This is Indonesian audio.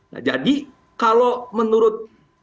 nah jadi kalau menurut